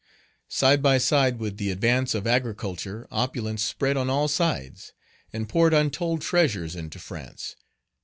Side by side with the advance of agriculture, opulence spread on all sides, and poured untold treasures into France.